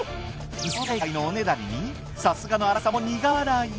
想定外のおねだりにさすがの新井さんも苦笑い。